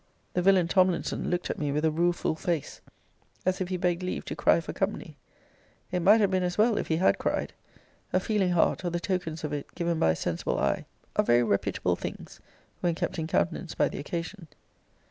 The villain Tomlinson looked at me with a rueful face, as if he begged leave to cry for company. It might have been as well, if he had cried. A feeling heart, or the tokens of it given by a sensible eye, are very reputable things, when kept in countenance by the occasion.